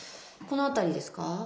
この辺りですか？